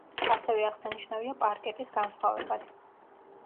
ასევე აღსანიშნავია პარკეტის განსხვავებაც.